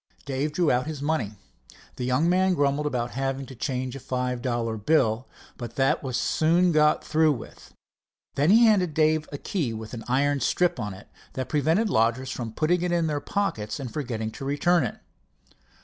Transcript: Dave drew out his money. The young man grumbled at having to change a five dollar but that was soon got through with. Then he handed Dave a key with an iron strip to it, that prevented lodgers from putting it in their pockets and forgetting to return it.